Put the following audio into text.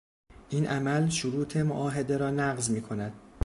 این عمل شروط معاهده رانقض میکند.